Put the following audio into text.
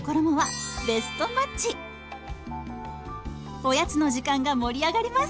おやつの時間が盛り上がります！